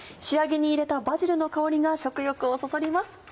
仕上げに入れたバジルの香りが食欲をそそります。